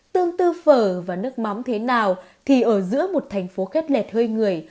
tương tự phở và nước mắm thế nào thì ở giữa một thành phố khét lẹt hơi người